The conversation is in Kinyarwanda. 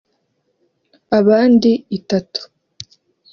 abandi itatu